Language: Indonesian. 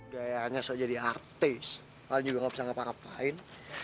gaya gaya lo jadi artis kalian juga gak usah ngapa ngapain